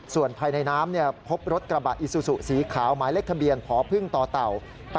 ส่วนภายในน้ำพบรถกระบะอิซูซูสีขาวหมายเลขทะเบียนพพเต่า